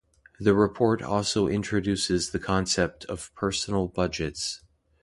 The report also introduces the concept of personal budgets.